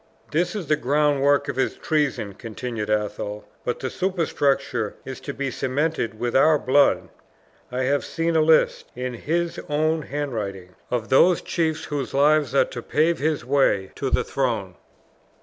"This is the groundwork of his treason," continued Athol; "but the superstructure is to be cemented with our blood. I have seen a list, in his own handwriting, of those chiefs whose lives are to pave his way to the throne."